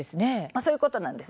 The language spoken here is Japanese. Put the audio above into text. そういうことなんです。